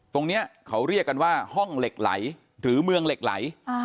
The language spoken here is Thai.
ตรงนี้เขาเรียกกันว่าห้องเหล็กไหลหรือเมืองเหล็กไหล